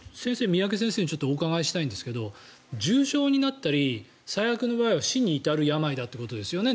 三宅先生にお伺いしたいんですけど重症になったり最悪の場合は死に至る病だということですね。